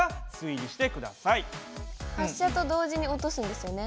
発射と同時に落とすんですよね？